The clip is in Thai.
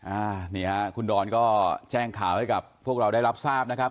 อ่านี่ฮะคุณดอนก็แจ้งข่าวให้กับพวกเราได้รับทราบนะครับ